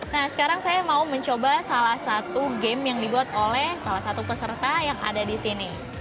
nah sekarang saya mau mencoba salah satu game yang dibuat oleh salah satu peserta yang ada di sini